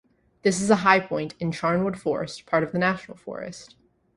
This is a high point in Charnwood Forest, part of the National Forest.